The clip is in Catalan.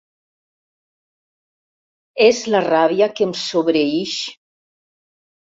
És la ràbia que em sobreïx.